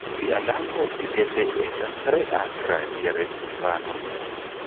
Via lango, videble, estas tre akra, diris Ivano.